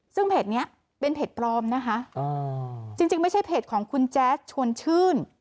ซึ่งเพจนี้เป็นเพจปลอมนะคะจริงไม่ใช่เพจของคุณแจ๊สชวนชื่น